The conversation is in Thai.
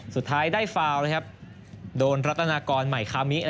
สุดท้ายได้ฟาลล์โดนรัฐนากรมายค้ามิ